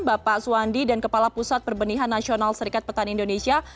bapak suwandi dan kepala pusat perbenihan nasional serikat petani indonesia